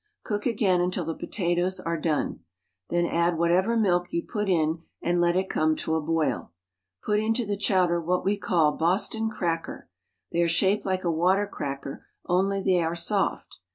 Cook again until the potatoes are done. Then add whatever milk you put in and let it come to a boil. Put into the chowder what we call Boston cracker. They are shaped like a water cracker only they are soft.